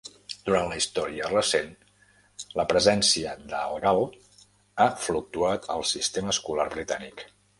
Durant la història recent, la presència del gal ha fluctuat al sistema escolar britànic.